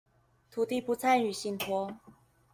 土地不參與信託